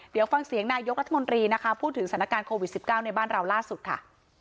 เดี๋ยวฟังเสียงนายกรัฐมนตรีนะคะพูดถึงสถานการณ์โควิด๑๙ในบ้านเราล่าสุดค่ะ